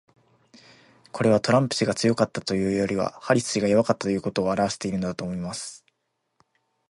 これは、トランプ氏が強かったというよりはハリス氏が弱かったということを表してるのだと思います。